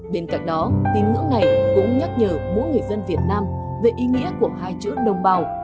bên cạnh đó tín ngưỡng này cũng nhắc nhở mỗi người dân việt nam về ý nghĩa của hai chữ đồng bào